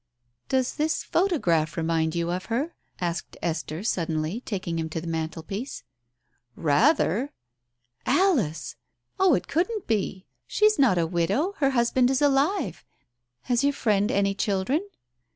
"Does this photograph remind you of her?" asked Esther suddenly, taking him to the mantelpiece. "Rather!" "Alice 1 Oh, it couldn't be — she is not a widow, her husband is alive — has your friend any children